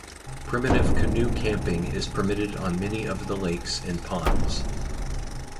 Primitive canoe camping is permitted on many of the lakes and ponds.